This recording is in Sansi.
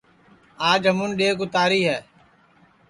آج ہمون ڈؔیگ اُتاری ہے